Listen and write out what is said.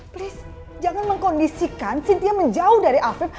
please jangan mengkondisikan cynthia menjauh dari afrika